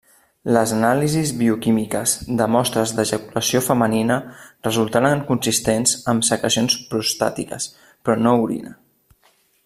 Les anàlisis bioquímiques de mostres d'ejaculació femenina resultaren consistents amb secrecions prostàtiques, però no orina.